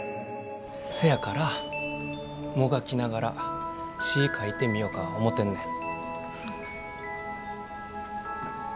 せやからもがきながら詩ぃ書いてみよか思てんねん。